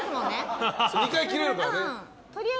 ２回切れるからね。